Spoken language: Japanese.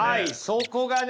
そこがね